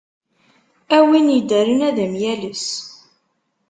A win iddren ad am-yales!